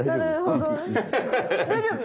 大丈夫？